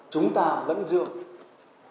chúng ta vẫn dương